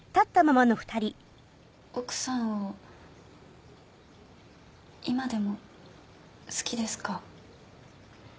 奥さんを今でも好きですか？